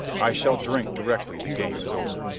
I shall drink directly the game is over."